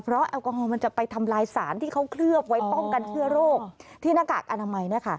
เพราะแอลกอฮอลมันจะไปทำลายสารที่เขาเคลือบไว้ป้องกันเชื้อโรคที่หน้ากากอนามัย